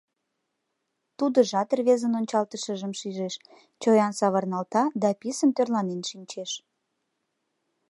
Тудыжат рвезын ончалтышыжым шижеш: чоян савырналта да писын тӧрланен шинчеш.